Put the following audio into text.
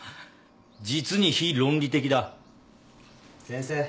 実に非論理的だ。先生。